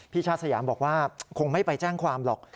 ชาติสยามบอกว่าคงไม่ไปแจ้งความหรอก